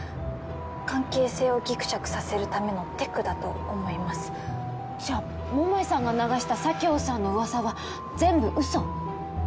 関係性をギクシャクさせるためのテクだと思いますじゃあ桃井さんが流した佐京さんのうわさは全部ウソ？